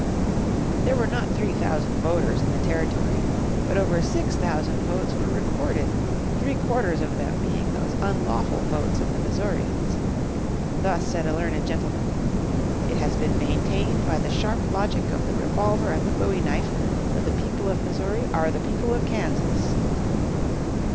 There were not three thousand voters in the Territory, but over six thousand votes were recorded, three quarters of them being those unlawful votes of the Missourians. Thus said a learned gentleman, "It has been maintained by the sharp logic of the revolver and the bowie knife, that the people of Missouri are the people of Kansas!"